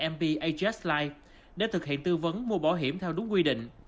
mb ajust life để thực hiện tư vấn mua bảo hiểm theo đúng quy định